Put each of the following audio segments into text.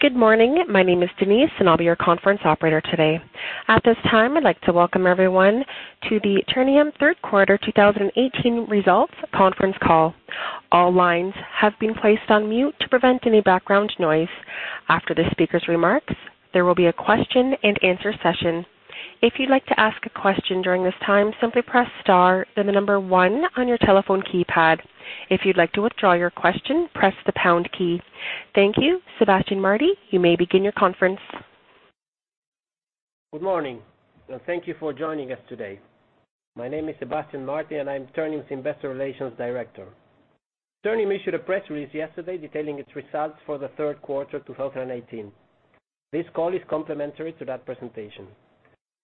Good morning. My name is Denise, and I'll be your conference operator today. At this time, I'd like to welcome everyone to the Ternium Third Quarter 2018 Results Conference Call. All lines have been placed on mute to prevent any background noise. After the speaker's remarks, there will be a question and answer session. If you'd like to ask a question during this time, simply press star, then the number one on your telephone keypad. If you'd like to withdraw your question, press the pound key. Thank you. Sebastián Martí, you may begin your conference. Good morning. Thank you for joining us today. My name is Sebastián Martí, and I'm Ternium's Investor Relations Director. Ternium issued a press release yesterday detailing its results for the Third Quarter 2018. This call is complementary to that presentation.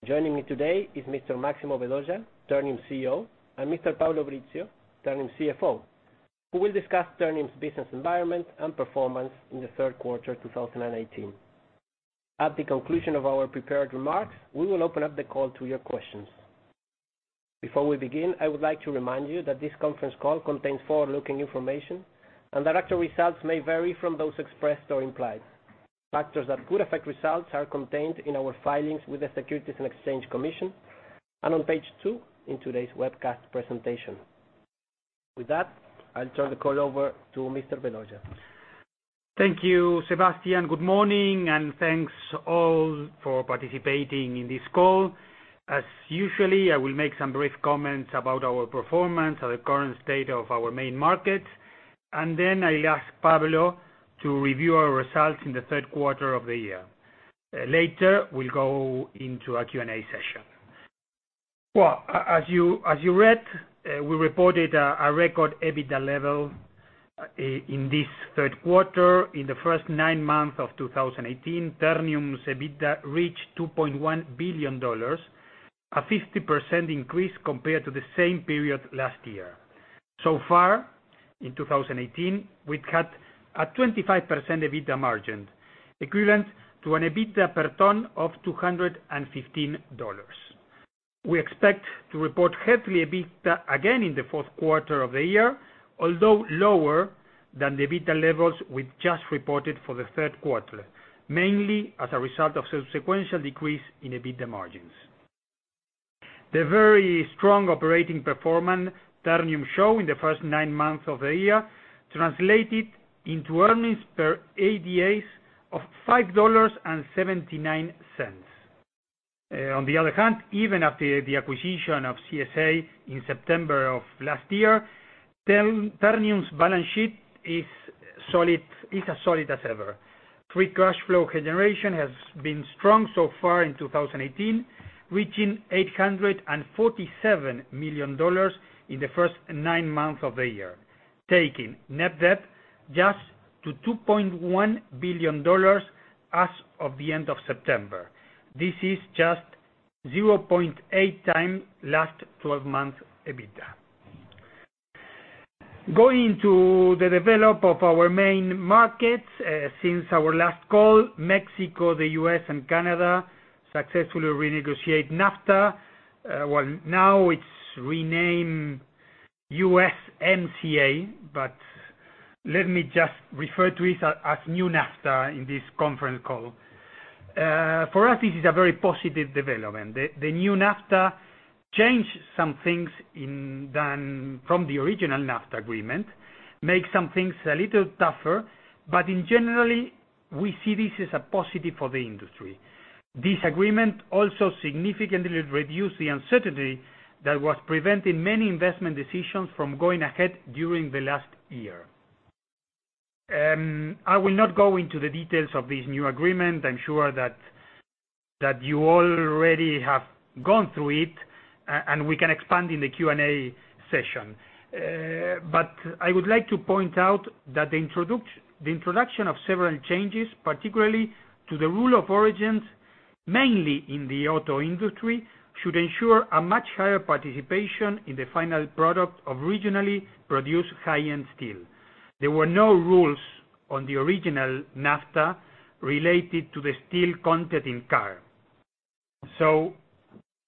Joining me today is Mr. Máximo Vedoya, Ternium's CEO, and Mr. Pablo Brizzio, Ternium's CFO, who will discuss Ternium's business environment and performance in the Third Quarter 2018. At the conclusion of our prepared remarks, we will open up the call to your questions. Before we begin, I would like to remind you that this conference call contains forward-looking information and that actual results may vary from those expressed or implied. Factors that could affect results are contained in our filings with the Securities and Exchange Commission and on page two in today's webcast presentation. With that, I'll turn the call over to Mr. Vedoya. Thank you, Sebastián. Good morning. Thanks all for participating in this call. As usual, I will make some brief comments about our performance and the current state of our main market, and then I'll ask Pablo to review our results in the Third Quarter of the year. Later, we'll go into a Q&A session. Well, as you read, we reported a record EBITDA level, in this Third Quarter. In the first nine months of 2018, Ternium's EBITDA reached $2.1 billion, a 50% increase compared to the same period last year. So far in 2018, we've had a 25% EBITDA margin, equivalent to an EBITDA per ton of $215. We expect to report healthy EBITDA again in the Fourth Quarter of the year, although lower than the EBITDA levels we've just reported for the Third Quarter, mainly as a result of sequential decrease in EBITDA margins. The very strong operating performance Ternium showed in the first nine months of the year translated into earnings per ADS of $5.79. On the other hand, even after the acquisition of CSA in September of last year, Ternium's balance sheet is as solid as ever. Free cash flow generation has been strong so far in 2018, reaching $847 million in the first nine months of the year, taking net debt just to $2.1 billion as of the end of September. This is just 0.8 times last 12 months EBITDA. Going into the development of our main markets, since our last call, Mexico, the U.S., and Canada successfully renegotiate NAFTA. Well, now it's renamed USMCA, but let me just refer to it as new NAFTA in this conference call. For us, this is a very positive development. The new NAFTA changed some things from the original NAFTA agreement, made some things a little tougher, but in generally, we see this as a positive for the industry. This agreement also significantly reduced the uncertainty that was preventing many investment decisions from going ahead during the last year. I will not go into the details of this new agreement. I'm sure that you already have gone through it. We can expand in the Q&A session. I would like to point out that the introduction of several changes, particularly to the rule of origins, mainly in the auto industry, should ensure a much higher participation in the final product of regionally produced high-end steel. There were no rules on the original NAFTA related to the steel content in car.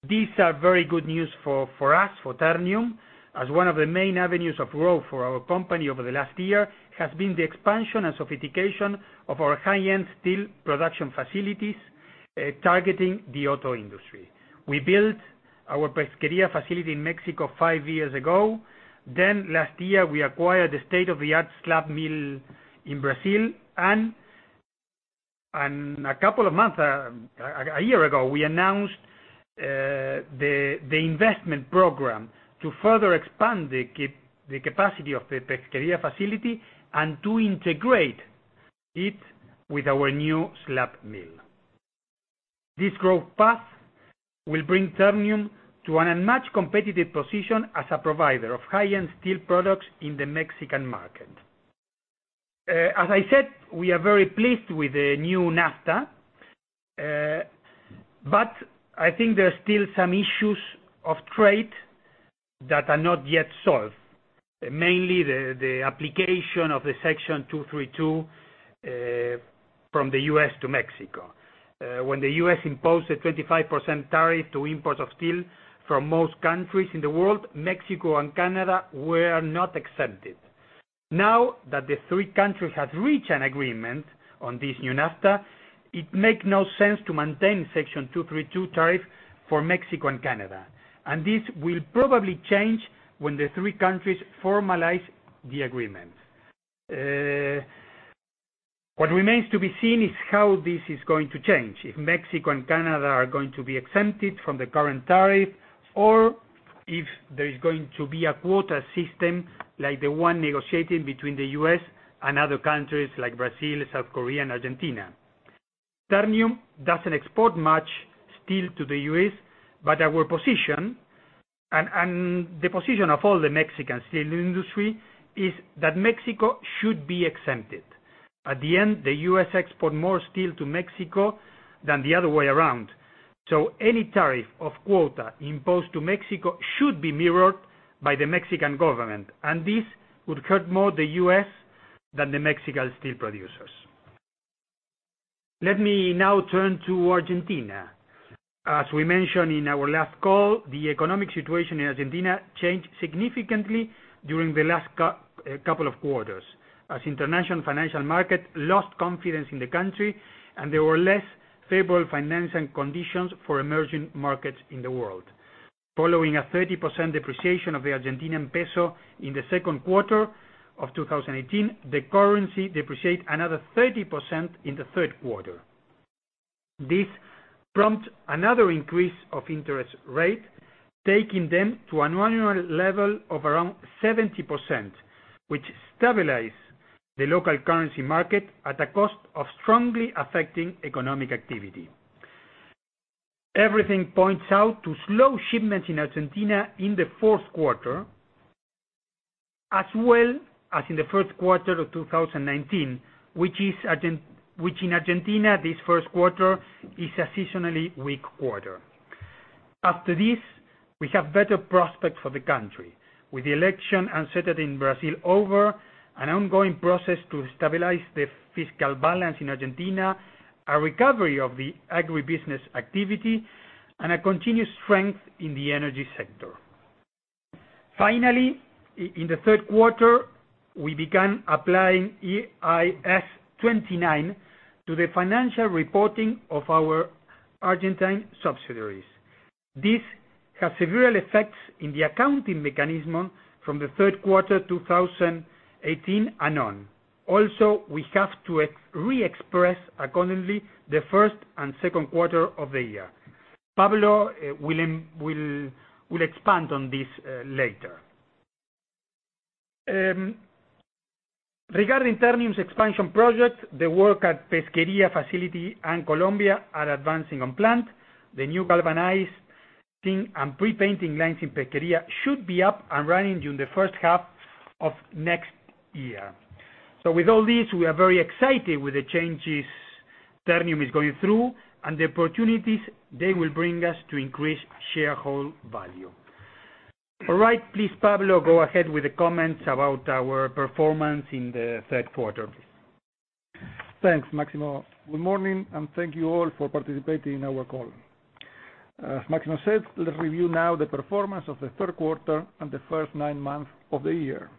These are very good news for us, for Ternium, as one of the main avenues of growth for our company over the last year has been the expansion and sophistication of our high-end steel production facilities, targeting the auto industry. We built our Pesquería facility in Mexico five years ago. Last year, we acquired a state-of-the-art slab mill in Brazil. A year ago, we announced the investment program to further expand the capacity of the Pesquería facility and to integrate it with our new slab mill. This growth path will bring Ternium to an unmatched competitive position as a provider of high-end steel products in the Mexican market. As I said, we are very pleased with the new NAFTA. I think there are still some issues of trade that are not yet solved, mainly the application of the Section 232 from the U.S. to Mexico. When the U.S. imposed a 25% tariff to imports of steel from most countries in the world, Mexico and Canada were not exempted. Now that the three countries have reached an agreement on this new NAFTA, it make no sense to maintain Section 232 tariff for Mexico and Canada. This will probably change when the three countries formalize the agreement. What remains to be seen is how this is going to change, if Mexico and Canada are going to be exempted from the current tariff, or if there is going to be a quota system like the one negotiated between the U.S. and other countries like Brazil, South Korea, and Argentina. Ternium doesn't export much steel to the U.S. Our position, and the position of all the Mexican steel industry, is that Mexico should be exempted. At the end, the U.S. export more steel to Mexico than the other way around. Any tariff or quota imposed to Mexico should be mirrored by the Mexican government. This would hurt more the U.S. than the Mexican steel producers. Let me now turn to Argentina. As we mentioned in our last call, the economic situation in Argentina changed significantly during the last couple of quarters, as international financial market lost confidence in the country and there were less favorable financing conditions for emerging markets in the world. Following a 30% depreciation of the Argentinian peso in the second quarter of 2018, the currency depreciate another 30% in the third quarter. This prompt another increase of interest rate, taking them to an annual level of around 70%, which stabilize the local currency market at a cost of strongly affecting economic activity. Everything points out to slow shipments in Argentina in the fourth quarter, as well as in the first quarter of 2019, which in Argentina, this first quarter, is a seasonally weak quarter. After this, we have better prospects for the country. With the election uncertain in Brazil over, an ongoing process to stabilize the fiscal balance in Argentina, a recovery of the agribusiness activity, and a continued strength in the energy sector. Finally, in the third quarter, we began applying IAS 29 to the financial reporting of our Argentine subsidiaries. This has several effects in the accounting mechanism from the third quarter 2018 and on. Also, we have to re-express accordingly the first and second quarter of the year. Pablo will expand on this later. Regarding Ternium's expansion project, the work at Pesquería facility and Colombia are advancing on plan. The new galvanizing and pre-painting lines in Pesquería should be up and running during the first half of next year. With all this, we are very excited with the changes Ternium is going through and the opportunities they will bring us to increase shareholder value. All right. Please, Pablo, go ahead with the comments about our performance in the third quarter, please. Thanks, Máximo. Good morning, and thank you all for participating in our call. As Máximo said, let's review now the performance of the third quarter and the first nine months of the year.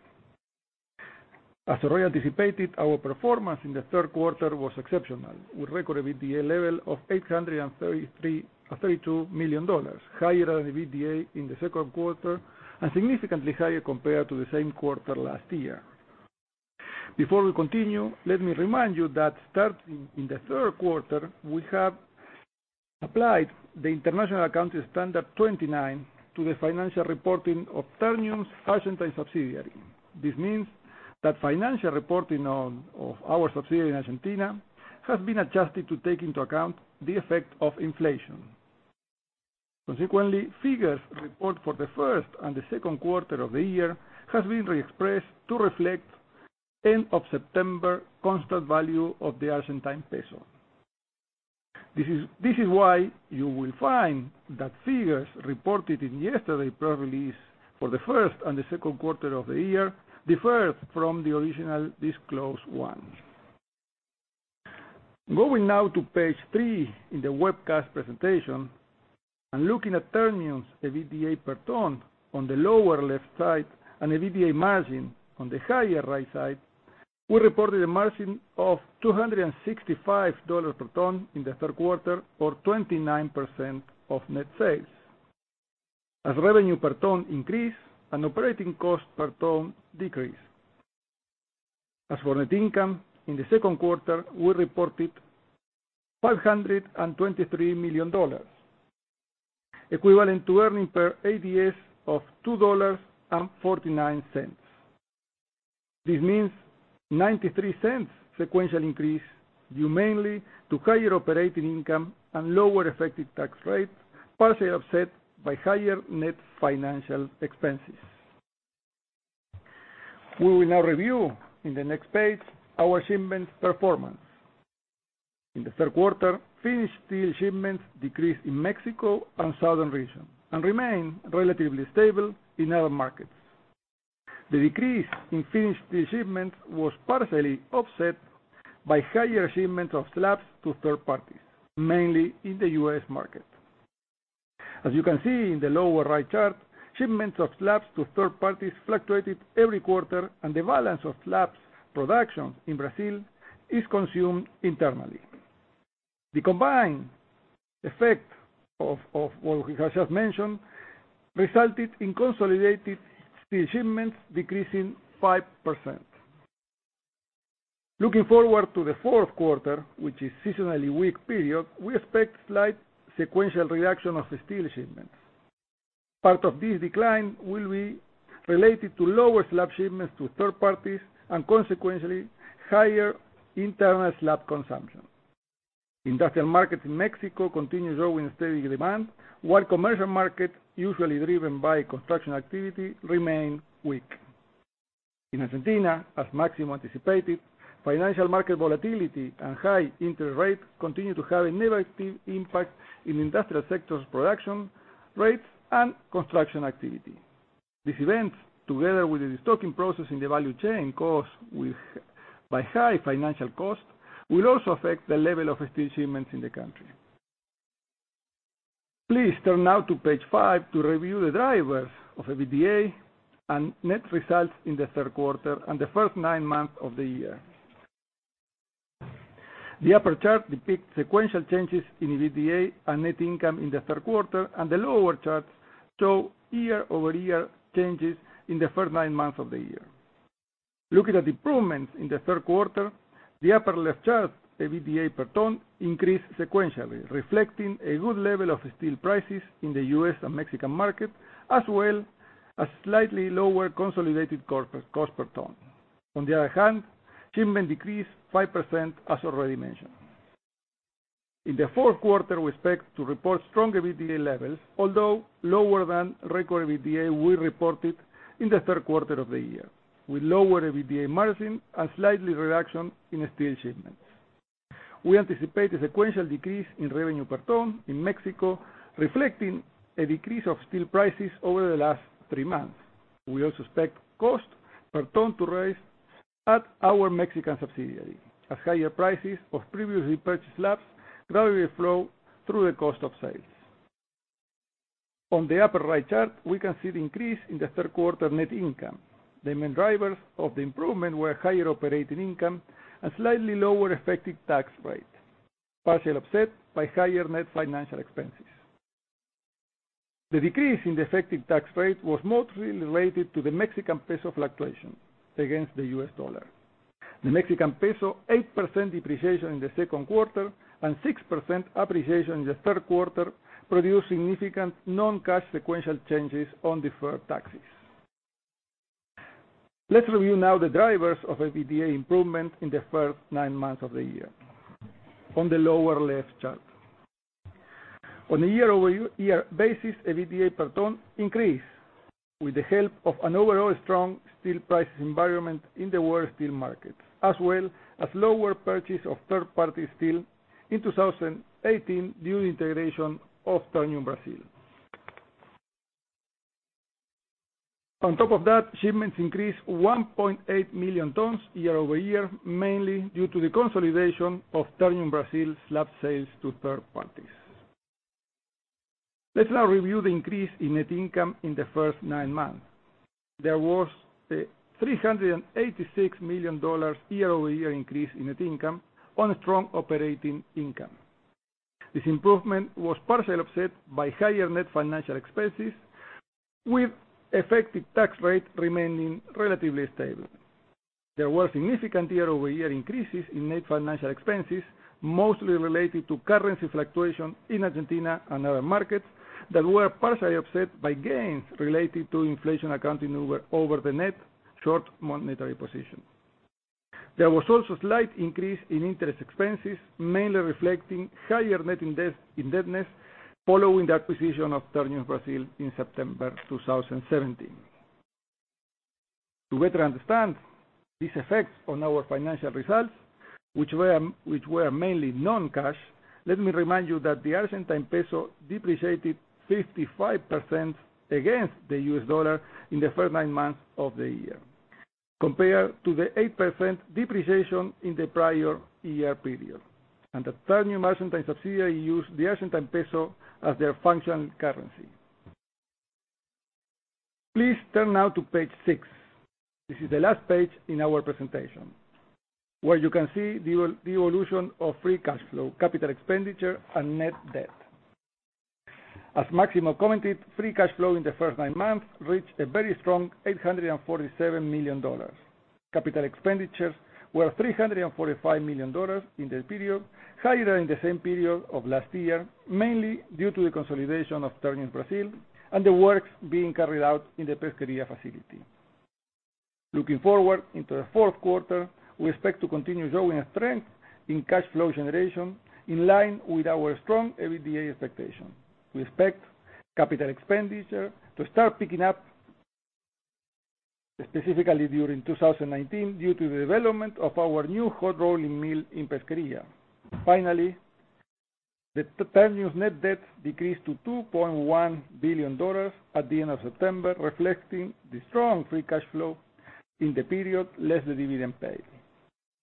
As already anticipated, our performance in the third quarter was exceptional. We record EBITDA level of $832 million, higher than the EBITDA in the second quarter, and significantly higher compared to the same quarter last year. Before we continue, let me remind you that starting in the third quarter, we have applied the International Accounting Standard 29 to the financial reporting of Ternium's Argentine subsidiary. This means that financial reporting of our subsidiary in Argentina has been adjusted to take into account the effect of inflation. Consequently, figures report for the first and the second quarter of the year has been re-expressed to reflect end of September constant value of the Argentine peso. This is why you will find that figures reported in yesterday's press release for the first and the second quarter of the year differed from the original disclosed one. Going now to page three in the webcast presentation and looking at Ternium's EBITDA per ton on the lower left side and EBITDA margin on the higher right side, we reported a margin of $265 per ton in the third quarter, or 29% of net sales, as revenue per ton increased and operating cost per ton decreased. As for net income, in the second quarter, we reported $523 million, equivalent to earnings per ADS of $2.49. This means $0.93 sequential increase, due mainly to higher operating income and lower effective tax rate, partially offset by higher net financial expenses. We will now review, in the next page, our shipments performance. In the third quarter, finished steel shipments decreased in Mexico and southern region, and remained relatively stable in other markets. The decrease in finished steel shipments was partially offset by higher shipments of slabs to third parties, mainly in the U.S. market. As you can see in the lower right chart, shipments of slabs to third parties fluctuated every quarter, and the balance of slabs production in Brazil is consumed internally. The combined effect of what we have just mentioned resulted in consolidated steel shipments decreasing 5%. Looking forward to the fourth quarter, which is seasonally weak period, we expect slight sequential reduction of steel shipments. Part of this decline will be related to lower slab shipments to third parties, and consequently, higher internal slab consumption. Industrial markets in Mexico continue showing steady demand, while commercial market, usually driven by construction activity, remain weak. In Argentina, as Máximo anticipated, financial market volatility and high interest rates continue to have a negative impact in industrial sectors production rates and construction activity. This event, together with the restocking process in the value chain caused by high financial cost, will also affect the level of steel shipments in the country. Please turn now to page five to review the drivers of EBITDA and net results in the third quarter and the first nine months of the year. The upper chart depicts sequential changes in EBITDA and net income in the third quarter, and the lower chart show year-over-year changes in the first nine months of the year. Looking at improvements in the third quarter, the upper left chart, EBITDA per ton, increased sequentially, reflecting a good level of steel prices in the U.S. and Mexican market, as well as slightly lower consolidated cost per ton. On the other hand, shipment decreased 5%, as already mentioned. In the fourth quarter, we expect to report strong EBITDA levels, although lower than record EBITDA we reported in the third quarter of the year, with lower EBITDA margin and slight reduction in steel shipments. We anticipate a sequential decrease in revenue per ton in Mexico, reflecting a decrease of steel prices over the last three months. We also expect cost per ton to rise at our Mexican subsidiary, as higher prices of previously purchased slabs gradually flow through the cost of sales. On the upper right chart, we can see the increase in the third quarter net income. The main drivers of the improvement were higher operating income and slightly lower effective tax rate, partially offset by higher net financial expenses. The decrease in the effective tax rate was mostly related to the Mexican peso fluctuation against the U.S. dollar. The Mexican peso 8% depreciation in the second quarter and 6% appreciation in the third quarter produced significant non-cash sequential changes on deferred taxes. Let's review now the drivers of EBITDA improvement in the first nine months of the year on the lower left chart. On a year-over-year basis, EBITDA per ton increased with the help of an overall strong steel price environment in the world steel market, as well as lower purchase of third-party steel in 2018 during integration of Ternium Brasil. On top of that, shipments increased 1.8 million tons year-over-year, mainly due to the consolidation of Ternium Brasil slab sales to third parties. Let's now review the increase in net income in the first nine months. There was a $386 million year-over-year increase in net income on strong operating income. This improvement was partially offset by higher net financial expenses, with effective tax rate remaining relatively stable. There were significant year-over-year increases in net financial expenses, mostly related to currency fluctuation in Argentina and other markets that were partially offset by gains related to inflation accounting over the net short monetary position. There was also slight increase in interest expenses, mainly reflecting higher net indebtedness following the acquisition of Ternium Brasil in September 2017. To better understand this effect on our financial results, which were mainly non-cash, let me remind you that the Argentine peso depreciated 55% against the U.S. dollar in the first nine months of the year, compared to the 8% depreciation in the prior year period, and that Ternium Argentine subsidiary use the Argentine peso as their functional currency. Please turn now to page six. This is the last page in our presentation, where you can see the evolution of free cash flow, capital expenditure, and net debt. As Máximo commented, free cash flow in the first nine months reached a very strong $847 million. Capital expenditures were $345 million in the period, higher than in the same period of last year, mainly due to the consolidation of Ternium Brasil and the works being carried out in the Pesquería facility. Looking forward into the fourth quarter, we expect to continue showing a strength in cash flow generation in line with our strong EBITDA expectation. We expect capital expenditure to start picking up, specifically during 2019, due to the development of our new hot rolling mill in Pesquería. Finally, Ternium net debt decreased to $2.1 billion at the end of September, reflecting the strong free cash flow in the period, less the dividend paid,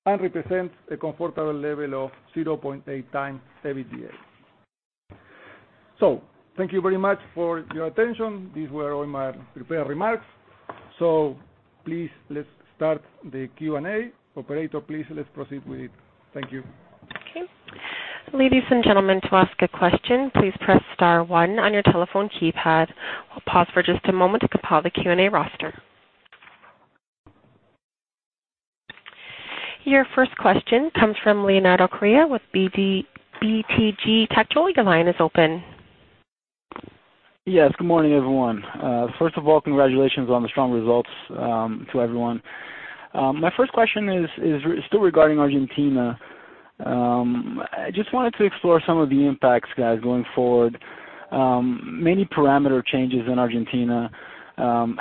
and represents a comfortable level of 0.8 times EBITDA. Thank you very much for your attention. These were all my prepared remarks. Please, let's start the Q&A. Operator, please, let's proceed with it. Thank you. Okay. Ladies and gentlemen, to ask a question, please press star one on your telephone keypad. We'll pause for just a moment to compile the Q&A roster. Your first question comes from Leonardo Correa with BTG Pactual. Actually, your line is open. Yes. Good morning, everyone. First of all, congratulations on the strong results to everyone. My first question is still regarding Argentina. I just wanted to explore some of the impacts, guys, going forward. Many parameter changes in Argentina.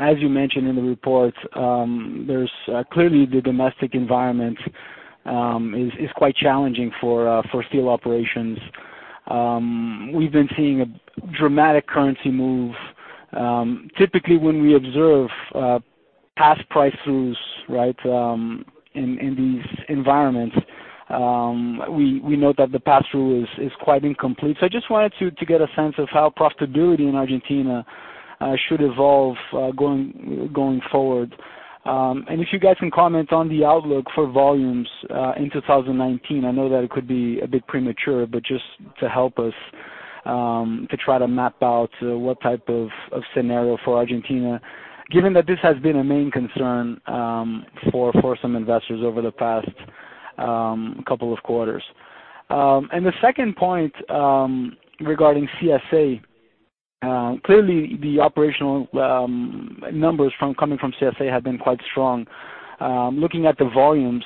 As you mentioned in the report, clearly the domestic environment is quite challenging for steel operations. We've been seeing a dramatic currency move. Typically, when we observe past price moves in these environments, we note that the pass-through is quite incomplete. I just wanted to get a sense of how profitability in Argentina should evolve going forward. If you guys can comment on the outlook for volumes in 2019. I know that it could be a bit premature, just to help us to try to map out what type of scenario for Argentina, given that this has been a main concern for some investors over the past couple of quarters. The second point regarding CSA. Clearly the operational numbers coming from CSA have been quite strong. Looking at the volumes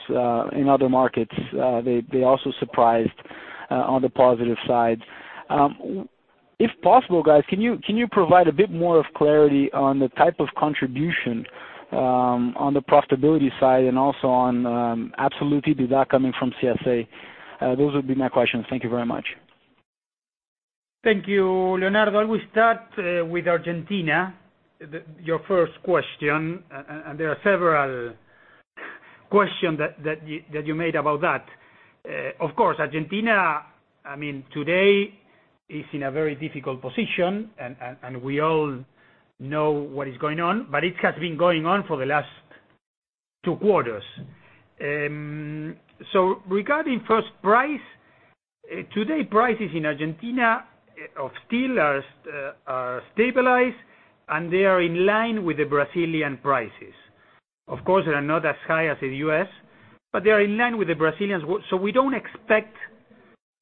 in other markets, they also surprised on the positive side. If possible, guys, can you provide a bit more clarity on the type of contribution on the profitability side and also on absolute EBITDA coming from CSA? Those would be my questions. Thank you very much. Thank you, Leonardo. We start with Argentina, your first question, there are several questions that you made about that. Of course, Argentina, today is in a very difficult position, we all know what is going on, it has been going on for the last two quarters. Regarding first price, today prices in Argentina of steel are stabilized, they are in line with the Brazilian prices. Of course, they are not as high as the U.S., they are in line with the Brazilians. We don't expect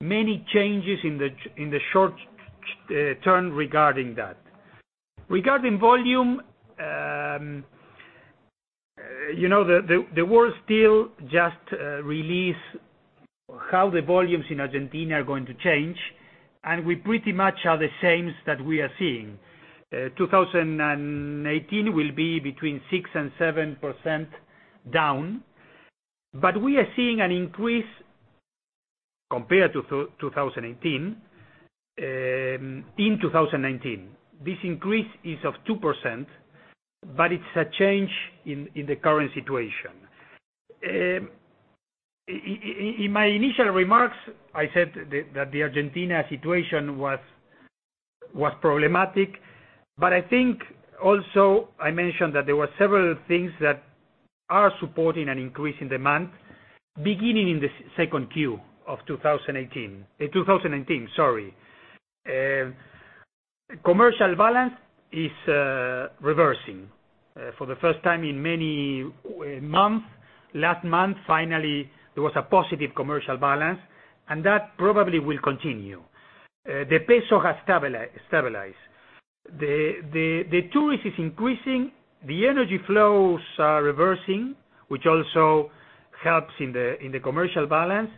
many changes in the short term regarding that. Regarding volume, the World Steel just released how the volumes in Argentina are going to change, we pretty much are the same that we are seeing. 2018 will be between 6% and 7% down, we are seeing an increase compared to 2018 in 2019. This increase is of 2%, it's a change in the current situation. In my initial remarks, I said that the Argentina situation was problematic, I think also I mentioned that there were several things that are supporting an increase in demand beginning in the second Q of 2018. 2019, sorry. Commercial balance is reversing for the first time in many months. Last month, finally, there was a positive commercial balance, that probably will continue. The peso has stabilized. The tourist is increasing. The energy flows are reversing, which also helps in the commercial balance.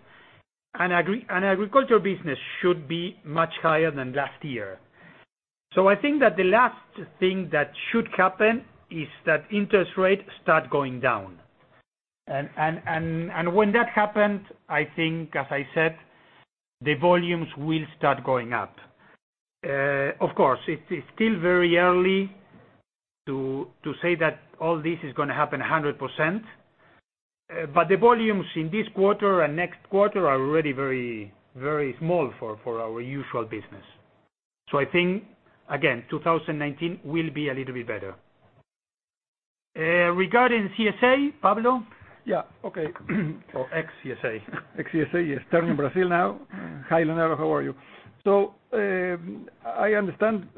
Agriculture business should be much higher than last year. I think that the last thing that should happen is that interest rates start going down. When that happens, I think, as I said, the volumes will start going up. Of course, it is still very early to say that all this is going to happen 100%, but the volumes in this quarter and next quarter are already very small for our usual business. I think, again, 2019 will be a little bit better. Regarding CSA, Pablo? Yeah. Okay. Ex-CSA. Ex-CSA, yes. Ternium Brasil now. Hi, Leonardo. How are you? I understand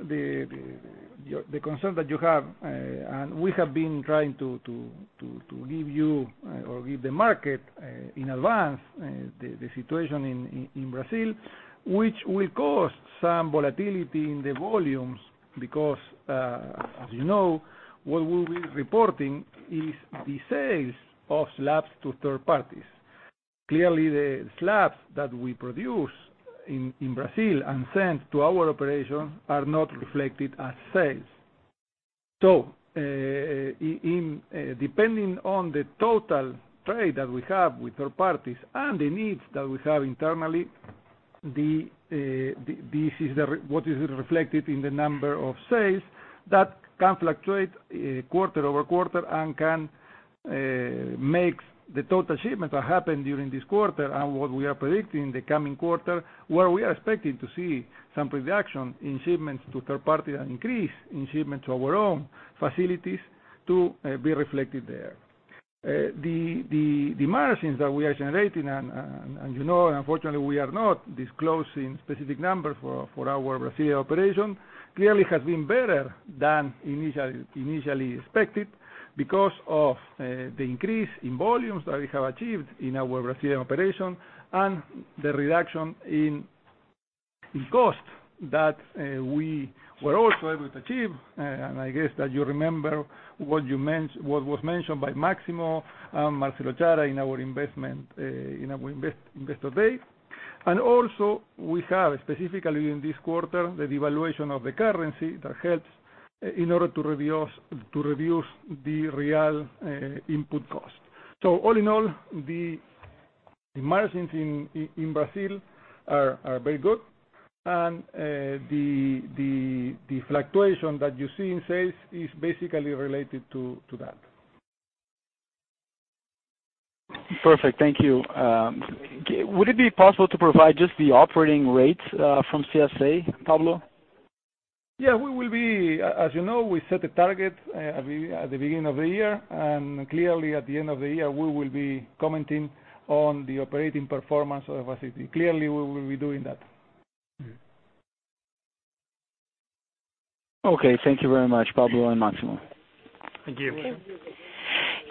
the concern that you have, and we have been trying to give you or give the market in advance the situation in Brazil, which will cause some volatility in the volumes because, as you know, what we'll be reporting is the sales of slabs to third parties. Clearly, the slabs that we produce in Brazil and send to our operation are not reflected as sales. Depending on the total trade that we have with third-parties and the needs that we have internally, this is what is reflected in the number of sales that can fluctuate quarter-over-quarter and can make the total shipment that happened during this quarter and what we are predicting the coming quarter, where we are expecting to see some reduction in shipments to third-party and increase in shipment to our own facilities to be reflected there. The margins that we are generating, and unfortunately we are not disclosing specific numbers for our Brazilian operation, clearly has been better than initially expected because of the increase in volumes that we have achieved in our Brazilian operation and the reduction in cost that we were also able to achieve. I guess that you remember what was mentioned by Máximo and Marcelo Chara in our investor day. Also we have, specifically in this quarter, the devaluation of the currency that helps in order to reduce the real input cost. All in all, the margins in Brazil are very good, and the fluctuation that you see in sales is basically related to that. Perfect. Thank you. Would it be possible to provide just the operating rates from CSA, Pablo? As you know, we set a target at the beginning of the year. Clearly at the end of the year, we will be commenting on the operating performance of CSA. Clearly, we will be doing that. Okay. Thank you very much, Pablo and Maximo. Thank you.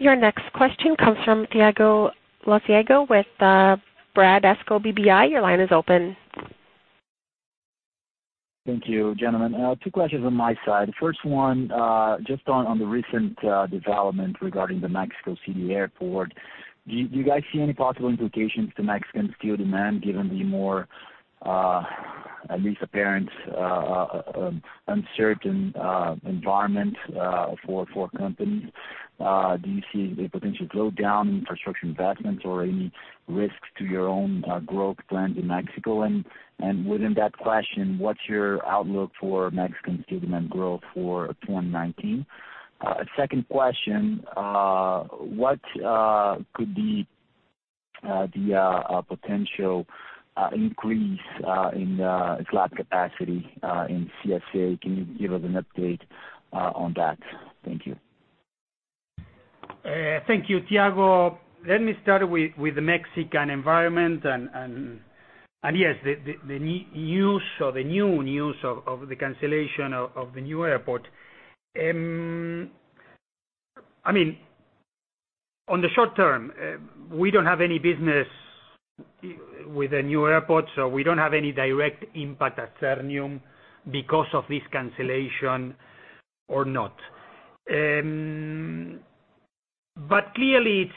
Your next question comes from Thiago Lofiego with Bradesco BBI. Your line is open. Thank you, gentlemen. Two questions on my side. First one, just on the recent development regarding the Mexico City airport. Do you guys see any possible implications to Mexican steel demand given the more, at least apparent, uncertain environment for companies? Do you see a potential slowdown in infrastructure investments or any risks to your own growth plans in Mexico? Within that question, what's your outlook for Mexican steel demand growth for 2019? Second question, what could be the potential increase in slab capacity in CSA? Can you give us an update on that? Thank you. Thank you, Thiago. Let me start with the Mexican environment and yes, the new news of the cancellation of the new airport. On the short term, we don't have any business with the new airport, so we don't have any direct impact at Ternium because of this cancellation or not. Clearly,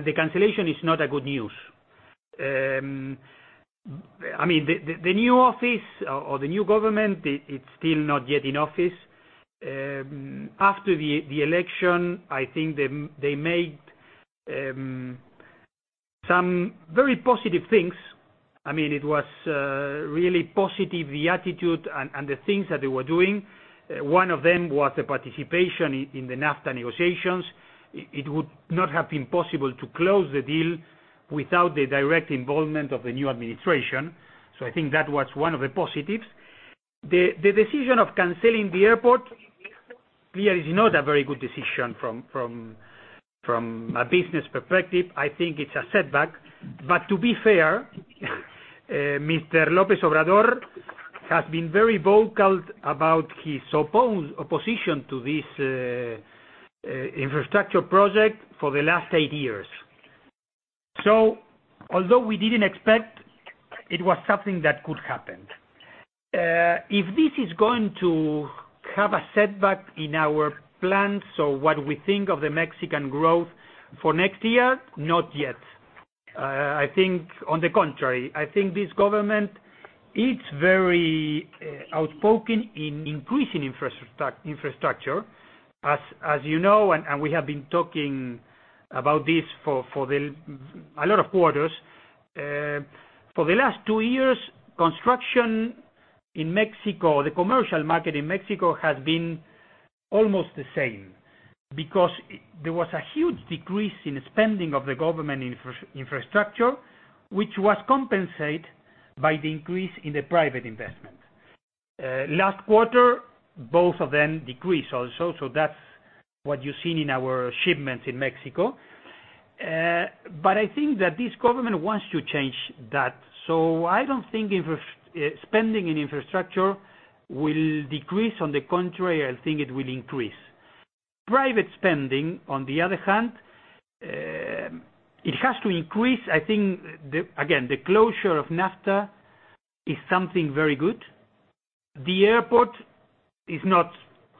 the cancellation is not a good news. The new office or the new government, it's still not yet in office. After the election, I think they made some very positive things. It was really positive, the attitude and the things that they were doing. One of them was the participation in the NAFTA negotiations. It would not have been possible to close the deal without the direct involvement of the new administration. I think that was one of the positives. The decision of canceling the airport clearly is not a very good decision from a business perspective. I think it's a setback. To be fair, Mr. López Obrador has been very vocal about his opposition to this infrastructure project for the last eight years. Although we didn't expect, it was something that could happen. If this is going to have a setback in our plans or what we think of the Mexican growth for next year, not yet. On the contrary, I think this government, it's very outspoken in increasing infrastructure. As you know, we have been talking about this for a lot of quarters. For the last two years, construction in Mexico, the commercial market in Mexico has been almost the same because there was a huge decrease in spending of the government infrastructure, which was compensated by the increase in the private investment. Last quarter, both of them decreased also. That's what you've seen in our shipments in Mexico. I think that this government wants to change that. I don't think spending in infrastructure will decrease. On the contrary, I think it will increase. Private spending, on the other hand, it has to increase. I think, again, the closure of NAFTA is something very good. The airport is not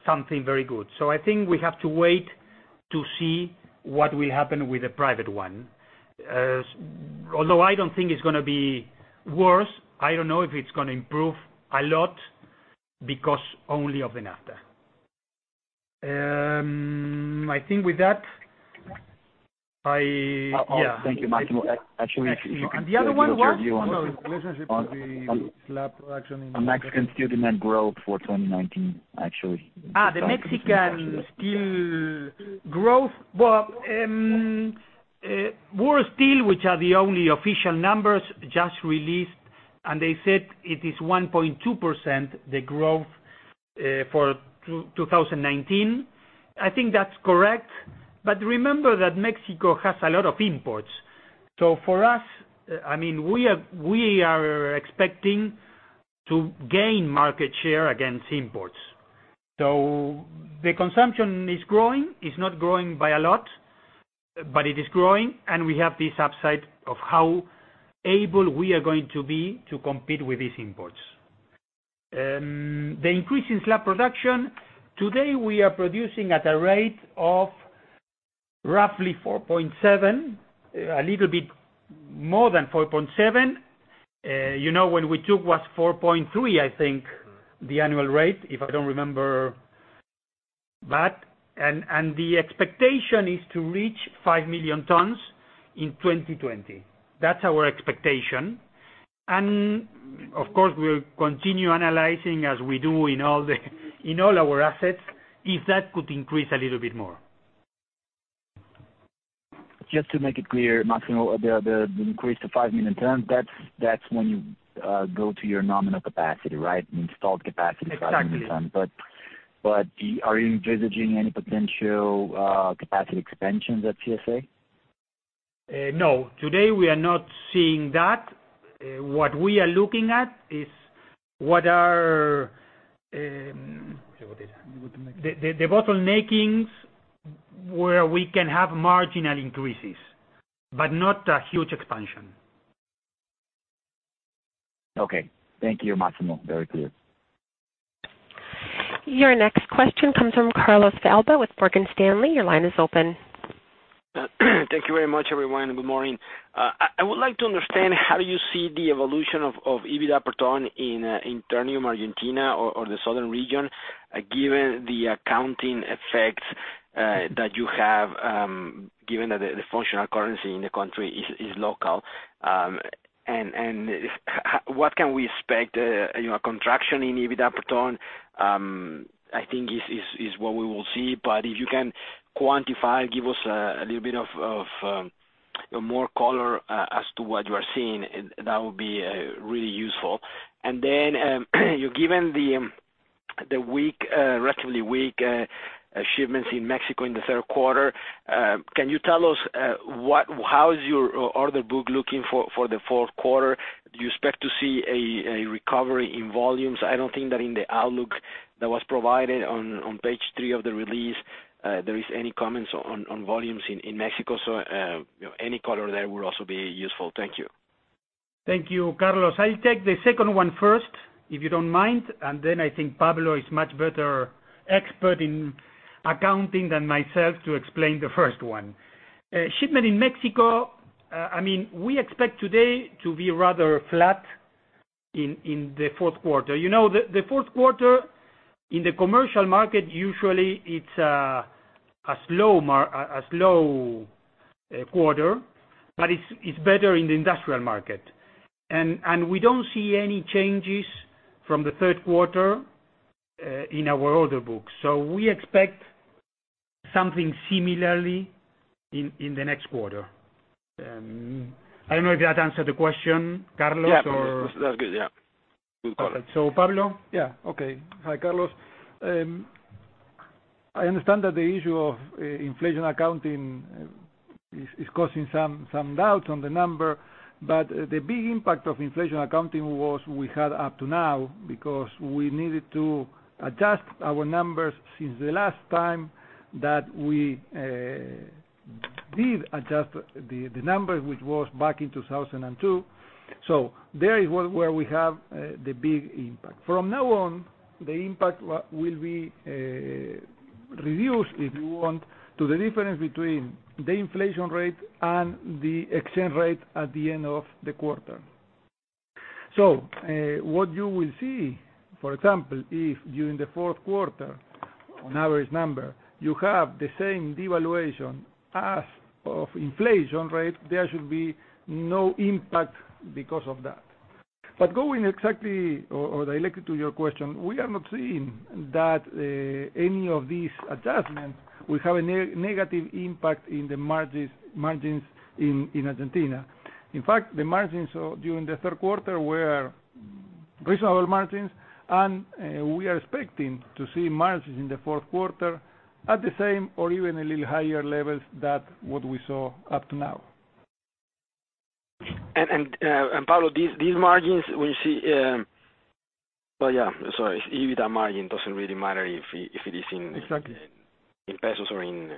something very good. I think we have to wait to see what will happen with the private one. Although I don't think it's going to be worse, I don't know if it's going to improve a lot because only of the NAFTA. I think with that, I Thank you, Máximo. Actually, if you can give your view on the- The other one was? Relationship with the slab production in Mexico. Mexican steel demand growth for 2019, actually. The Mexican steel growth. World Steel, which are the only official numbers, just released. They said it is 1.2%, the growth for 2019. I think that's correct. Remember that Mexico has a lot of imports. For us, we are expecting to gain market share against imports. The consumption is growing. It's not growing by a lot, but it is growing. We have this upside of how able we are going to be to compete with these imports. The increase in slab production, today we are producing at a rate of roughly 4.7, a little bit more than 4.7. You know when we took was 4.3, I think, the annual rate, if I don't remember. The expectation is to reach 5 million tons in 2020. That's our expectation. Of course, we'll continue analyzing as we do in all our assets, if that could increase a little bit more. Just to make it clear, Máximo, the increase to 5 million tons, that's when you go to your nominal capacity, right? Installed capacity, 5 million tons. Exactly. Are you envisaging any potential capacity expansions at CSA? No. Today we are not seeing that. What we are looking at is what are the bottlenecks where we can have marginal increases, but not a huge expansion. Okay. Thank you, Máximo. Very clear. Your next question comes from Carlos De Alba with Morgan Stanley. Your line is open. Thank you very much, everyone. Good morning. I would like to understand how you see the evolution of EBITDA per ton in Ternium, Argentina, or the southern region, given the accounting effect that you have, given that the functional currency in the country is local. What can we expect, contraction in EBITDA per ton, I think is what we will see. If you can quantify, give us a little bit of more color as to what you are seeing, that would be really useful. Given the relatively weak shipments in Mexico in the third quarter, can you tell us how is your order book looking for the fourth quarter? Do you expect to see a recovery in volumes? I don't think that in the outlook that was provided on page three of the release, there is any comments on volumes in Mexico. Any color there would also be useful. Thank you. Thank you, Carlos. I'll take the second one first, if you don't mind, then I think Pablo is much better expert in accounting than myself to explain the first one. Shipment in Mexico, we expect today to be rather flat in the fourth quarter. You know the fourth quarter in the commercial market, usually it's a slow quarter, but it's better in the industrial market. We don't see any changes from the third quarter in our order book. We expect something similarly in the next quarter. I don't know if that answered the question, Carlos, or? Yeah. That's good. Yeah. Good call. All right. Pablo? Yeah. Okay. Hi, Carlos. I understand that the issue of inflation accounting is causing some doubt on the number, the big impact of inflation accounting was we had up to now because we needed to adjust our numbers since the last time that we did adjust the number, which was back in 2002. There is where we have the big impact. From now on, the impact will be reduced, if you want, to the difference between the inflation rate and the exchange rate at the end of the quarter. What you will see, for example, if during the fourth quarter, on average number, you have the same devaluation as of inflation rate, there should be no impact because of that. Going exactly, or directly to your question, we have not seen that any of these adjustments will have a negative impact in the margins in Argentina. In fact, the margins during the third quarter were reasonable margins, and we are expecting to see margins in the fourth quarter at the same or even a little higher levels than what we saw up to now. Pablo these margins, when you see. Well, yeah. EBITDA margin doesn't really matter if it is. Exactly In pesos or in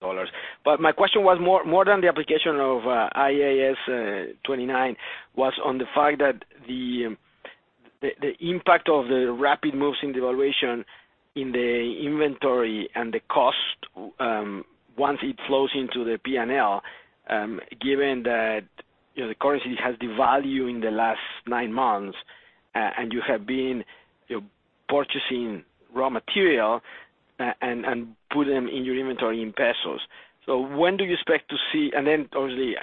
dollars. My question was more than the application of IAS 29, was on the fact that the impact of the rapid moves in devaluation in the inventory and the cost once it flows into the P&L, given that the currency has devalued in the last 9 months, and you have been purchasing raw material and put them in your inventory in pesos. When do you expect to see? Obviously,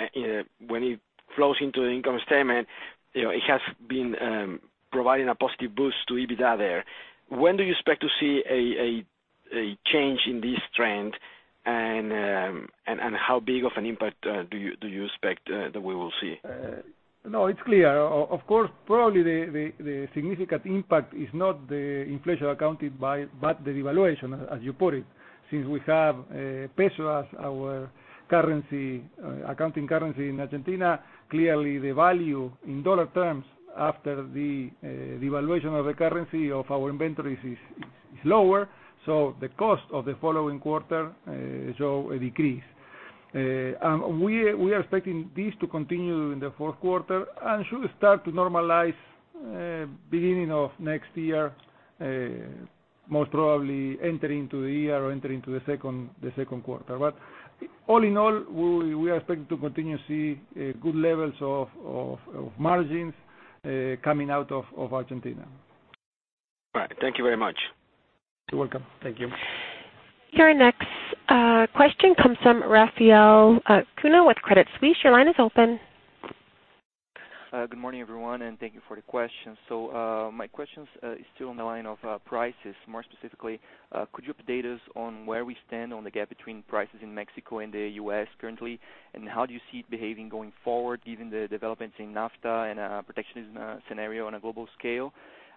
when it flows into the income statement, it has been providing a positive boost to EBITDA there. When do you expect to see a change in this trend? How big of an impact do you expect that we will see? It's clear. Of course, probably the significant impact is not the inflation accounted by, but the devaluation, as you put it. Since we have peso as our accounting currency in Argentina, clearly the value in dollar terms after the devaluation of the currency of our inventories is lower. The cost of the following quarter show a decrease. We are expecting this to continue in the fourth quarter and should start to normalize beginning of next year, most probably entering into the year or entering into the second quarter. All in all, we are expecting to continue to see good levels of margins coming out of Argentina. Right. Thank you very much. You're welcome. Thank you. Your next question comes from Rafael Cuno with Credit Suisse. Your line is open. Good morning, everyone, thank you for the question. My question is still on the line of prices. More specifically, could you update us on where we stand on the gap between prices in Mexico and the U.S. currently? How do you see it behaving going forward, given the developments in NAFTA and a protectionism scenario on a global scale?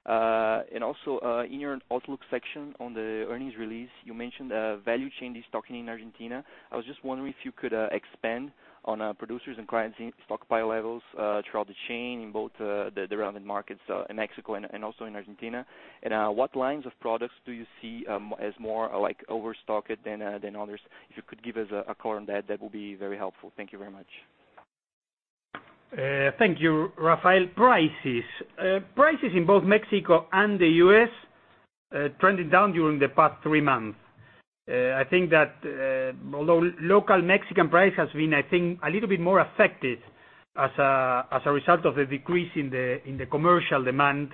Also, in your outlook section on the earnings release, you mentioned value chain destocking in Argentina. I was just wondering if you could expand on producers and clients stockpile levels throughout the chain in both the relevant markets in Mexico and also in Argentina. What lines of products do you see as more overstocked than others? If you could give us a color on that would be very helpful. Thank you very much. Thank you, Rafael. Prices. Prices in both Mexico and the U.S. trended down during the past three months. I think that local Mexican price has been, I think, a little bit more affected as a result of the decrease in the commercial demand,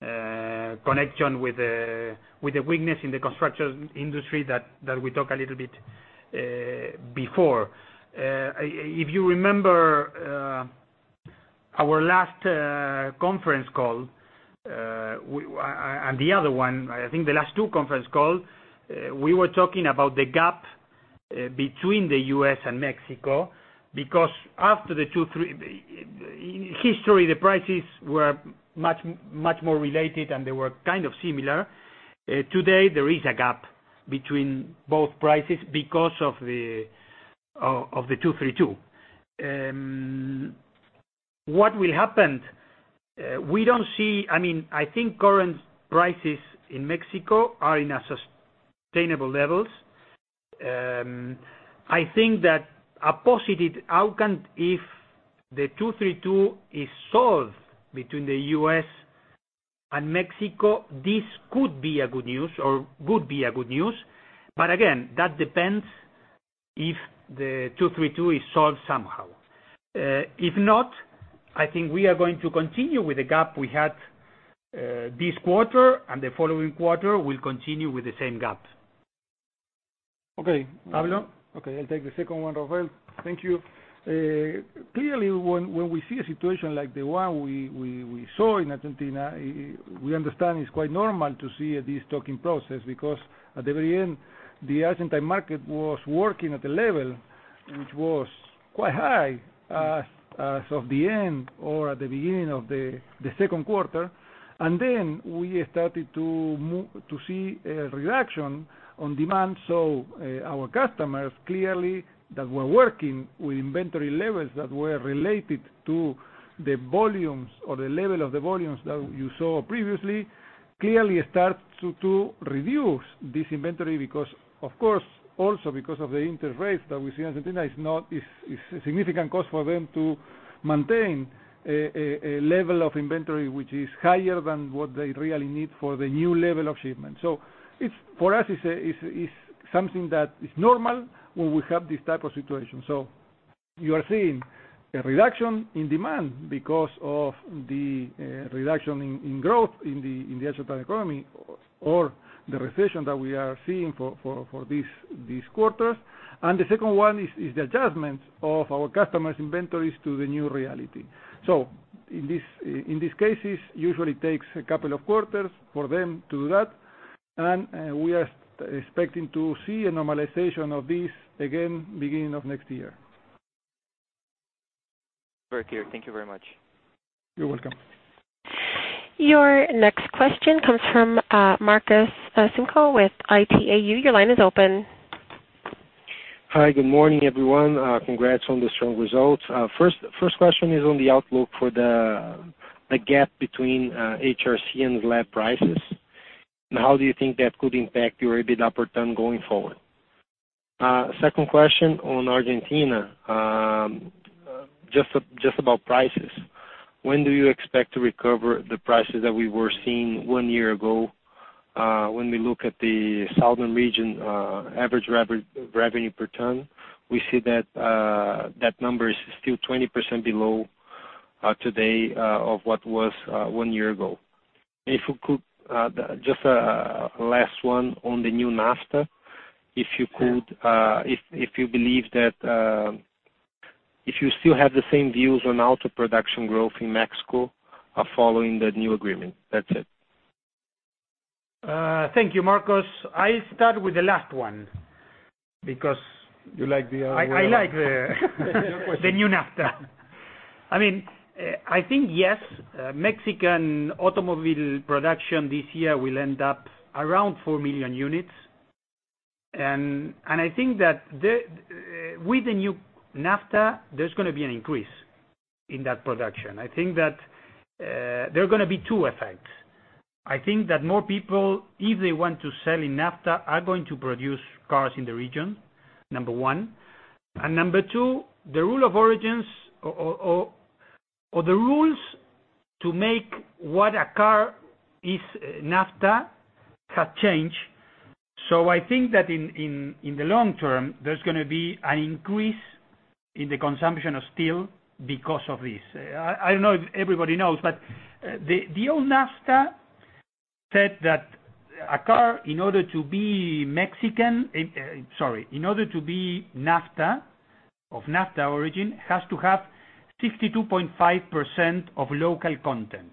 connection with the weakness in the construction industry that we talked a little bit before. If you remember our last conference call, and the other one, I think the last two conference call, we were talking about the gap between the U.S. and Mexico, because after the two, three in history, the prices were much more related, and they were kind of similar. Today, there is a gap between both prices because of the 2-3-2. What will happen? I think current prices in Mexico are in a sustainable levels. I think that a positive outcome, if the 2-3-2 is solved between the U.S. and Mexico, this could be a good news, or would be a good news. Again, that depends if the 2-3-2 is solved somehow. If not, I think we are going to continue with the gap we had this quarter, and the following quarter, we'll continue with the same gap. Okay, Pablo? Okay, I'll take the second one, Rafael. Thank you. Clearly, when we see a situation like the one we saw in Argentina, we understand it's quite normal to see this stocking process because at the very end, the Argentine market was working at a level which was quite high as of the end or at the beginning of the second quarter. Then we started to see a reduction on demand. Our customers, clearly, that were working with inventory levels that were related to the volumes or the level of the volumes that you saw previously, clearly start to reduce this inventory because, of course, also because of the interest rates that we see in Argentina, it's a significant cost for them to maintain a level of inventory, which is higher than what they really need for the new level of shipment. For us, it's something that is normal when we have this type of situation. You are seeing a reduction in demand because of the reduction in growth in the Argentine economy or the recession that we are seeing for these quarters. The second one is the adjustment of our customers' inventories to the new reality. In these cases, usually takes a couple of quarters for them to do that. We are expecting to see a normalization of this again beginning of next year. Thank you very much. You're welcome. Your next question comes from Marcus Sinco with Itaú. Your line is open. Hi, good morning, everyone. Congrats on the strong results. First question is on the outlook for the gap between HRC and slab prices. How do you think that could impact your EBIT per ton going forward? Second question on Argentina, just about prices. When do you expect to recover the prices that we were seeing one year ago? When we look at the southern region average revenue per ton, we see that number is still 20% below today of what was one year ago. Just a last one on the new NAFTA, if you still have the same views on auto production growth in Mexico following the new agreement. That's it. Thank you, Marcus. I start with the last one because. You like the other one. I like the new NAFTA. I think, yes, Mexican automobile production this year will end up around 4 million units, and I think that with the new NAFTA, there is going to be an increase in that production. I think that there are going to be two effects. I think that more people, if they want to sell in NAFTA, are going to produce cars in the region, number one. Number two, the rule of origins or the rules to make what a car is NAFTA has changed. I think that in the long term, there is going to be an increase in the consumption of steel because of this. I do not know if everybody knows, but the old NAFTA said that a car, in order to be NAFTA, of NAFTA origin, has to have 62.5% of local content.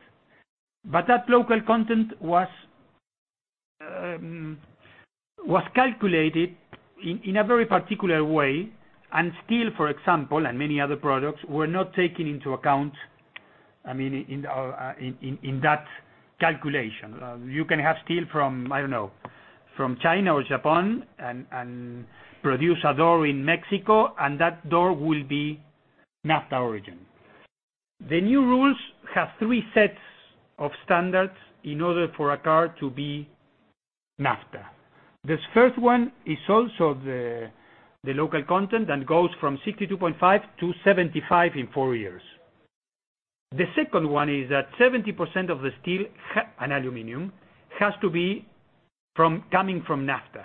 That local content was calculated in a very particular way. Steel, for example, and many other products were not taken into account in that calculation. You can have steel from China or Japan and produce a door in Mexico, and that door will be NAFTA origin. The new rules have three sets of standards in order for a car to be NAFTA. This first one is also the local content and goes from 62.5% to 75% in four years. The second one is that 70% of the steel and aluminum has to be coming from NAFTA.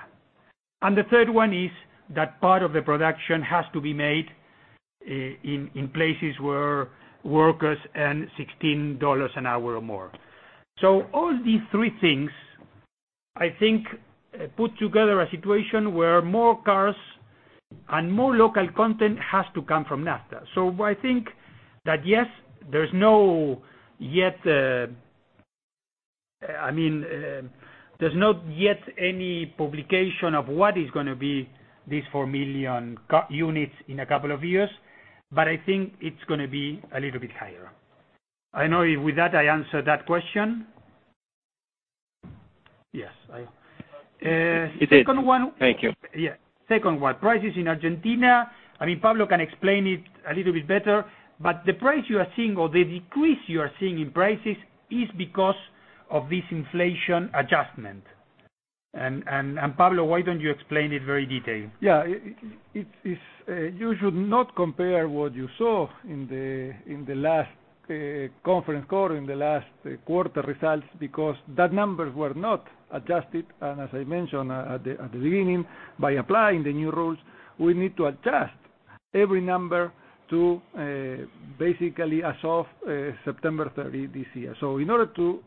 The third one is that part of the production has to be made in places where workers earn $16 an hour or more. All these three things, I think, put together a situation where more cars and more local content has to come from NAFTA. I think that yes, there's not yet any publication of what is going to be these 4 million units in a couple of years, but I think it's going to be a little bit higher. I don't know if with that I answered that question. Yes. It did. Thank you. Second one, prices in Argentina. Pablo can explain it a little bit better, but the price you are seeing or the decrease you are seeing in prices is because of this inflation adjustment. Pablo, why don't you explain it very detailed? You should not compare what you saw in the last conference call or in the last quarter results because that numbers were not adjusted. As I mentioned at the beginning, by applying the new rules, we need to adjust every number to basically as of September 30 this year. In order to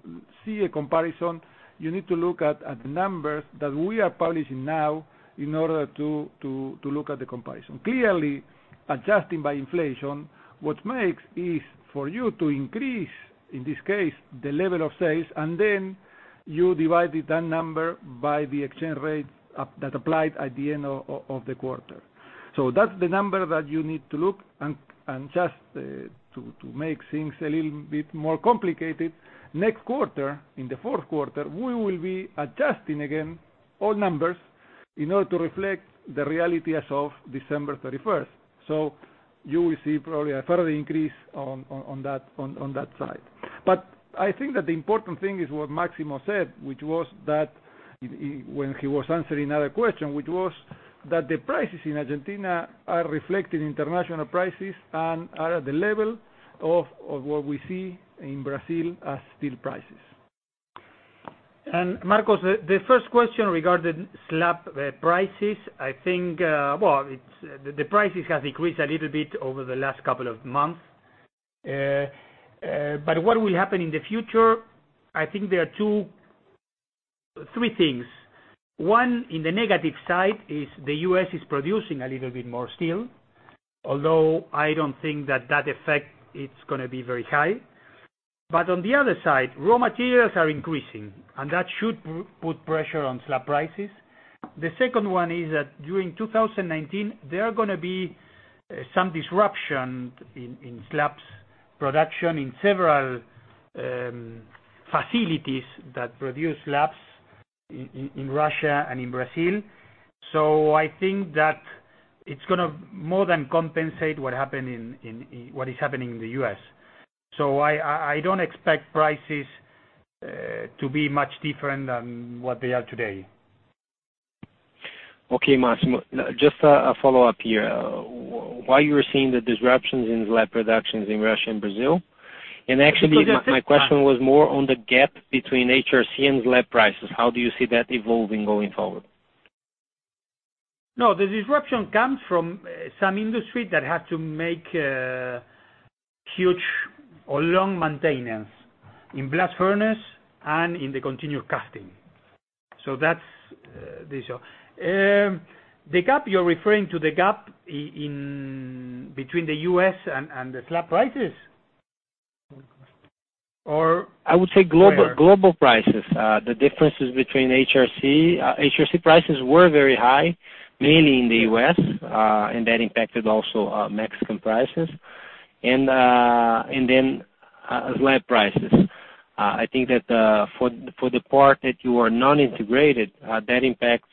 see a comparison, you need to look at the numbers that we are publishing now in order to look at the comparison. Clearly, adjusting by inflation, what makes is for you to increase, in this case, the level of sales, and then you divide that number by the exchange rate that applied at the end of the quarter. That's the number that you need to look, and just to make things a little bit more complicated, next quarter, in the fourth quarter, we will be adjusting again all numbers in order to reflect the reality as of December 31st. You will see probably a further increase on that side. I think that the important thing is what Máximo said, when he was answering another question, which was that the prices in Argentina are reflecting international prices and are at the level of what we see in Brazil as steel prices. Marcos, the first question regarding slab prices, I think the prices have increased a little bit over the last couple of months. What will happen in the future? I think there are three things. One, in the negative side is the U.S. is producing a little bit more steel, although I don't think that effect is going to be very high. On the other side, raw materials are increasing, and that should put pressure on slab prices. The second one is that during 2019, there are going to be some disruption in slabs production in several facilities that produce slabs in Russia and in Brazil. I think that it's going to more than compensate what is happening in the U.S. I don't expect prices to be much different than what they are today. Okay, Máximo. Just a follow-up here. Why you're seeing the disruptions in slab productions in Russia and Brazil? Because the- My question was more on the gap between HRC and slab prices. How do you see that evolving going forward? The disruption comes from some industry that had to make huge or long maintenance in blast furnace and in the continuous casting. That's the issue. The gap, you're referring to the gap between the U.S. and the slab prices? Or where? I would say global prices. The differences between HRC. HRC prices were very high, mainly in the U.S., and that impacted also Mexican prices. Slab prices. I think that for the part that you are non-integrated, that impacts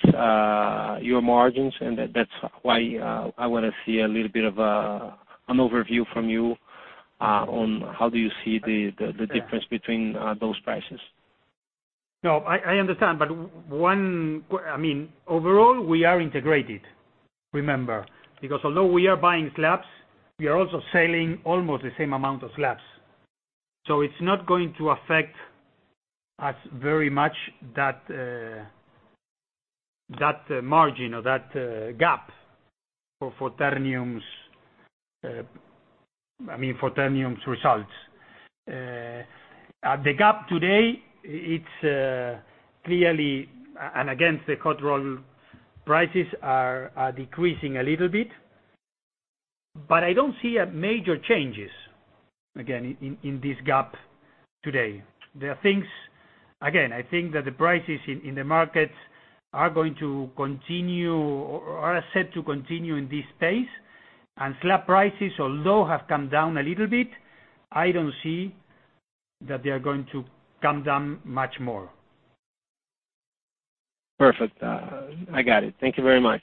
your margins, and that's why I want to see a little bit of an overview from you on how do you see the difference between those prices. I understand. Overall, we are integrated, remember, because although we are buying slabs, we are also selling almost the same amount of slabs. It's not going to affect us very much that margin or that gap for Ternium's results. The gap today, and against the hot roll prices, are decreasing a little bit. I don't see major changes, again, in this gap today. I think that the prices in the markets are set to continue in this pace. Slab prices, although have come down a little bit, I don't see that they are going to come down much more. Perfect. I got it. Thank you very much.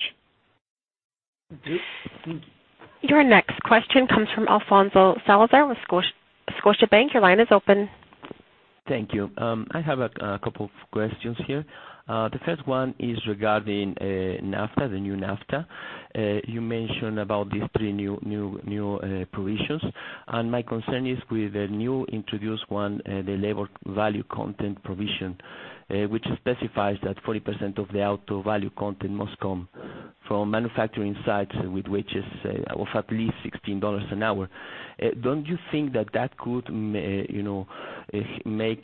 Your next question comes from Alfonso Salazar with Scotiabank. Your line is open. Thank you. I have a couple of questions here. The first one is regarding the new NAFTA. My concern is with the new introduced one, the labor value content provision, which specifies that 40% of the auto value content must come from manufacturing sites with wages of at least $16 an hour. Don't you think that that could make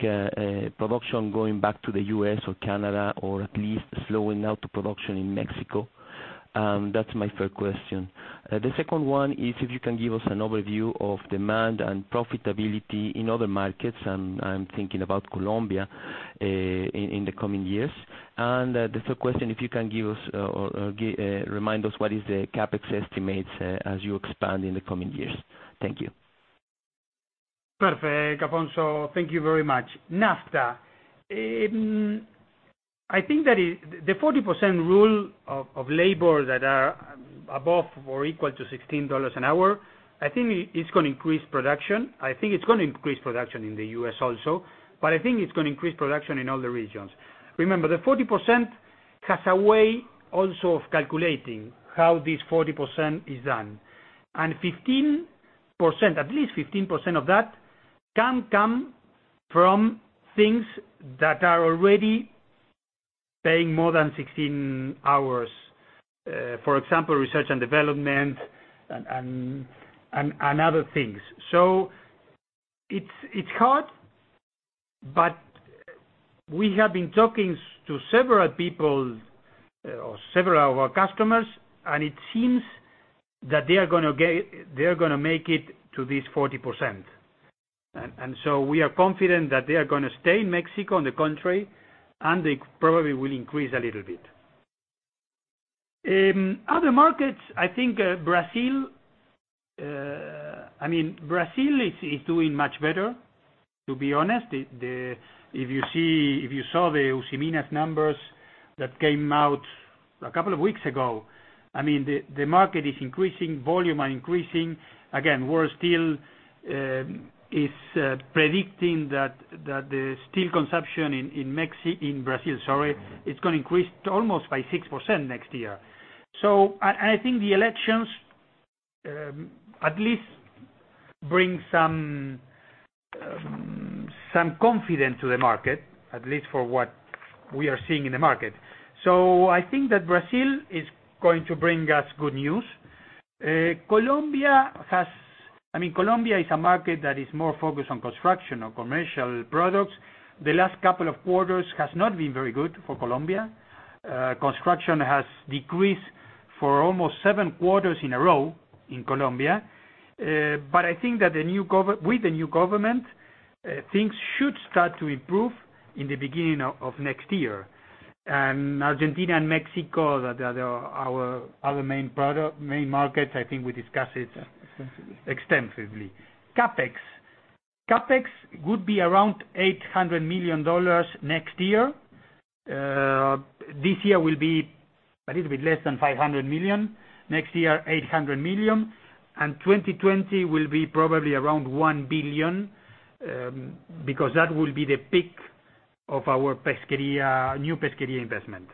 production going back to the U.S. or Canada, or at least slowing out the production in Mexico? That's my first question. The second one is if you can give us an overview of demand and profitability in other markets, and I'm thinking about Colombia, in the coming years. The third question, if you can remind us what is the CapEx estimates as you expand in the coming years. Thank you. Perfect, Alfonso. Thank you very much. NAFTA. I think that the 40% rule of labor that are above or equal to $16 an hour, I think it's going to increase production. I think it's going to increase production in the U.S. also, but I think it's going to increase production in all the regions. Remember, the 40% has a way also of calculating how this 40% is done. 15%, at least 15% of that can come from things that are already paying more than 16 hours. For example, research and development and other things. It's hard, but we have been talking to several people or several of our customers. It seems that they're going to make it to this 40%. We are confident that they are going to stay in Mexico, in the country, and they probably will increase a little bit. Other markets, I think Brazil is doing much better to be honest. If you saw the Usiminas numbers that came out a couple of weeks ago, the market is increasing, volume are increasing. We're still predicting that the steel consumption in Brazil, sorry, is going to increase to almost by 6% next year. I think the elections at least bring some confidence to the market, at least for what we are seeing in the market. I think that Brazil is going to bring us good news. Colombia is a market that is more focused on construction or commercial products. The last couple of quarters has not been very good for Colombia. Construction has decreased for almost seven quarters in a row in Colombia. I think that with the new government, things should start to improve in the beginning of next year. Argentina and Mexico, our other main markets, I think we discussed it extensively. CapEx would be around $800 million next year. This year will be a little bit less than $500 million. Next year, $800 million. 2020 will be probably around $1 billion, because that will be the peak of our new Pesqueria investment.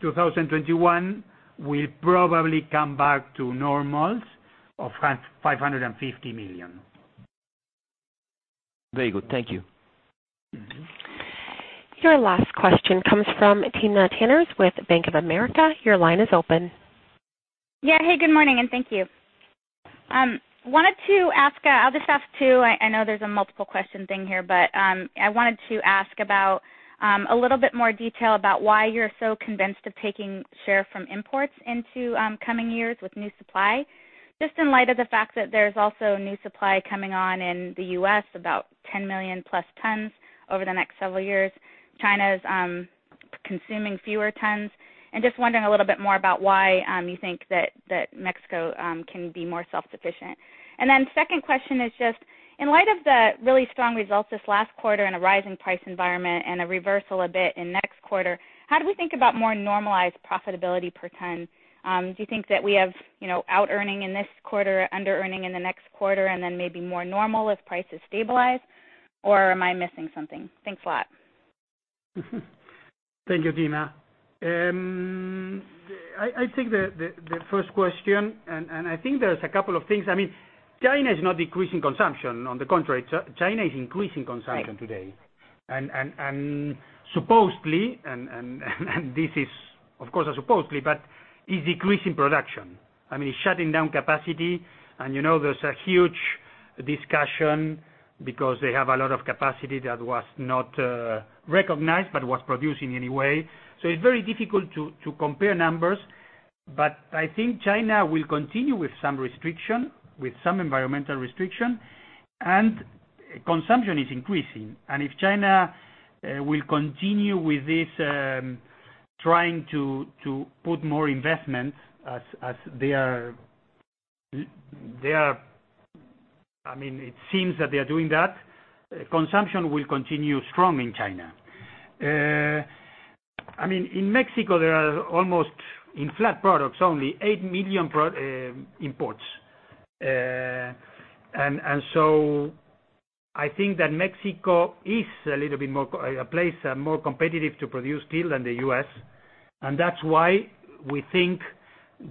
2021 will probably come back to normal of $550 million. Very good. Thank you. Your last question comes from Timna Tanners with Bank of America. Your line is open. Yeah. Hey, good morning, and thank you. Wanted to ask other stuff, too. I know there's a multiple question thing here, but I wanted to ask about a little bit more detail about why you're so convinced of taking share from imports into coming years with new supply, just in light of the fact that there's also new supply coming on in the U.S., about 10 million+ tons over the next several years. China's consuming fewer tons. Just wondering a little bit more about why you think that Mexico can be more self-sufficient. Second question is just, in light of the really strong results this last quarter and a rise in price environment and a reversal a bit in next quarter, how do we think about more normalized profitability per ton? Do you think that we have out-earning in this quarter, under-earning in the next quarter, and then maybe more normal if prices stabilize, or am I missing something? Thanks a lot. Thank you, Timna. I take the first question. I think there's a couple of things. China is not decreasing consumption. On the contrary, China is increasing consumption today. Right. Supposedly, this is, of course, supposedly, but is decreasing production. I mean, it's shutting down capacity, and there's a huge discussion because they have a lot of capacity that was not recognized but was producing anyway. It's very difficult to compare numbers. I think China will continue with some restriction, with some environmental restriction, and consumption is increasing. If China will continue with this, trying to put more investment as they are. It seems that they are doing that. Consumption will continue strong in China. In Mexico, there are almost, in flat products only, 8 million imports. I think that Mexico is a place more competitive to produce steel than the U.S. That's why we think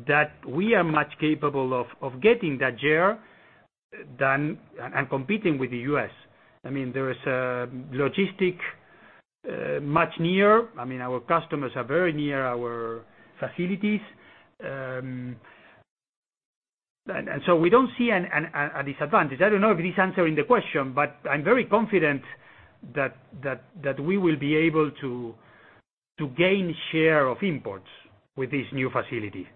that we are much capable of getting that share and competing with the U.S. There is a logistic much near. Our customers are very near our facilities. We don't see a disadvantage. I don't know if this answering the question, I'm very confident that we will be able to gain share of imports with this new facility.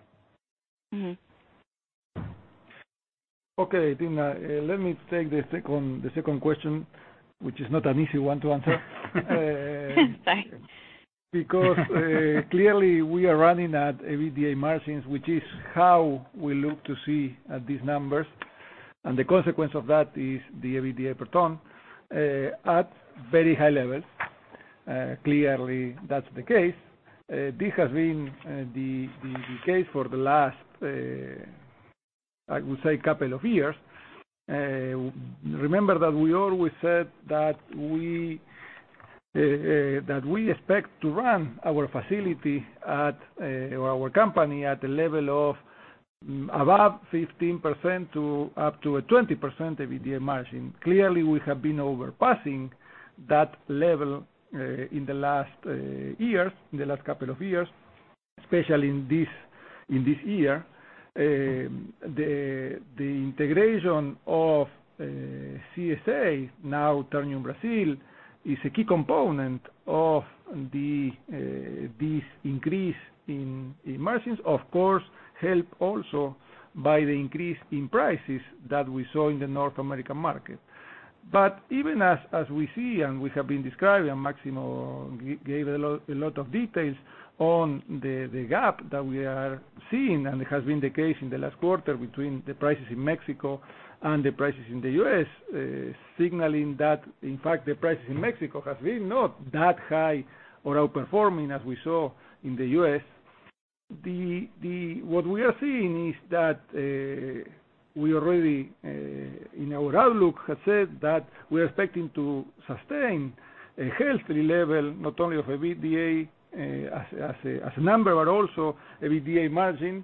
Okay, Timna, let me take the second question, which is not an easy one to answer. Sorry. Clearly, we are running at EBITDA margins, which is how we look to see at these numbers, and the consequence of that is the EBITDA per ton, at very high levels. Clearly, that's the case. This has been the case for the last, I would say, couple of years. Remember that we always said that we expect to run our company at a level of above 15% to up to a 20% EBITDA margin. Clearly, we have been overpassing that level in the last couple of years, especially in this year. The integration of CSA, now Ternium Brasil, is a key component of this increase in margins. Of course, helped also by the increase in prices that we saw in the North American market. Even as we see and we have been describing, Máximo gave a lot of details on the gap that we are seeing, and it has been the case in the last quarter between the prices in Mexico and the prices in the U.S., signaling that, in fact, the prices in Mexico has been not that high or outperforming as we saw in the U.S. What we are seeing is that we already, in our outlook, have said that we're expecting to sustain a healthy level, not only of EBITDA as a number, but also EBITDA margin,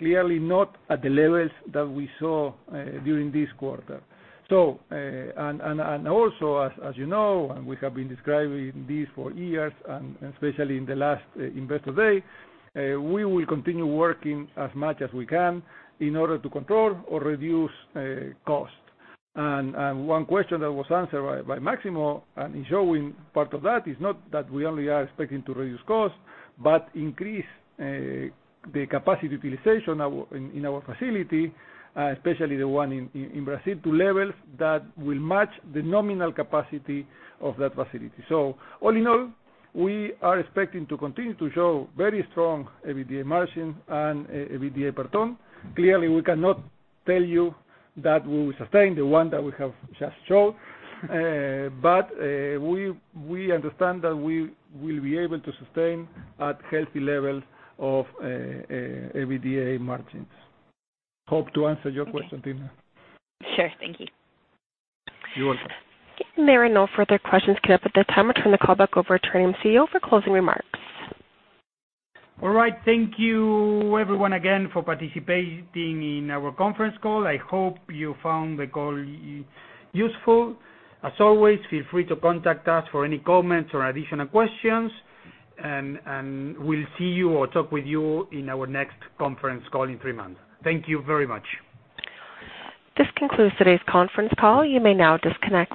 clearly not at the levels that we saw during this quarter. Also, as you know, and we have been describing this for years, and especially in the last Investor Day, we will continue working as much as we can in order to control or reduce cost. One question that was answered by Máximo, he is showing part of that, is not that we only are expecting to reduce cost, but increase the capacity utilization in our facility, especially the one in Brazil, to levels that will match the nominal capacity of that facility. All in all, we are expecting to continue to show very strong EBITDA margin and EBITDA per ton. Clearly, we cannot tell you that we will sustain the one that we have just showed. We understand that we will be able to sustain at healthy levels of EBITDA margins. Hope to answer your question, Timna. Okay. Sure. Thank you. You are welcome. There are no further questions queued up at this time. I turn the call back over to Ternium CEO for closing remarks. All right. Thank you everyone again for participating in our conference call. I hope you found the call useful. As always, feel free to contact us for any comments or additional questions, and we'll see you or talk with you in our next conference call in three months. Thank you very much. This concludes today's conference call. You may now disconnect.